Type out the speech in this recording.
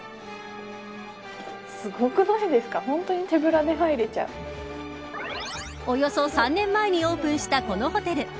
すごくないですかおよそ３年前にオープンしたこのホテル。